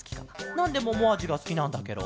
なんでももあじがすきなんだケロ？